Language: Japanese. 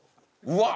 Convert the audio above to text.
うわ！